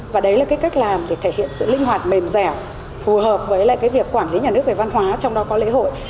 và đấy là cái cách làm để thể hiện sự linh hoạt mềm dẻo phù hợp với lại cái việc quản lý nhà nước về văn hóa trong đó có lễ hội